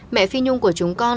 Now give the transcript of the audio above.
mẹ phi nhung của chúng con